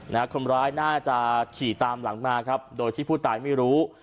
คนร้ายน่าจะขี่ตามหลังมาครับโดยที่ผู้ตายไม่รู้